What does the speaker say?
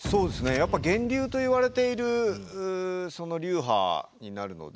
やっぱ源流といわれている流派になるので。